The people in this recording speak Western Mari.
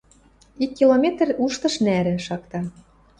— Ик километр — уштыш нӓрӹ, — шакта.